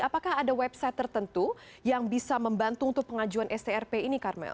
apakah ada website tertentu yang bisa membantu untuk pengajuan strp ini karmel